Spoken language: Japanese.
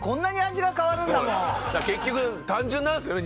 結局単純なんですかね